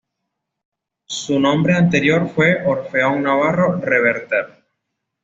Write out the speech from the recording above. Su nombre anterior fue Orfeón Navarro Reverter.